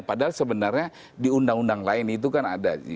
padahal sebenarnya di undang undang lain itu kan ada